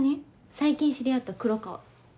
最近知り合った黒川。